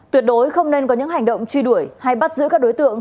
tuyệt đối không nên có những hành động truy đuổi hay bắt giữ các đối tượng